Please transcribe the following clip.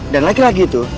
dan laki laki itu